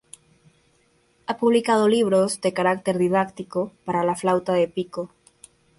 Ha publicado libros de carácter didáctico para la flauta de pico.